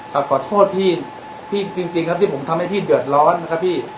ขอโทษพี่พี่จริงครับที่ผมทำให้พี่เดือดร้อนนะครับพี่